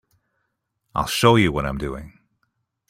I'll show you what I'm doing.